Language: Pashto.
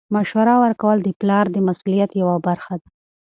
مشوره ورکول د پلار د مسؤلیت یوه برخه ده.